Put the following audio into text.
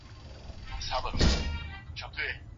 هغه خوشالي نه کموله.